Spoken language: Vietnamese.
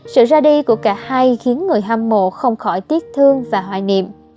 sự ra đi của cả hai khiến người hâm mộ không khỏi tiếc thương và hoài niệm